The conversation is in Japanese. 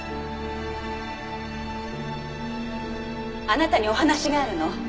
あなたにお話があるの。